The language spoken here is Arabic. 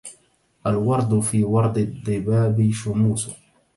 الورد في ورد الضباب شموس